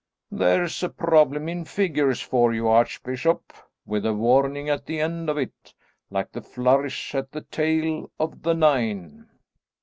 There's a problem in figures for you, archbishop, with a warning at the end of it, like the flourish at the tail of the nine."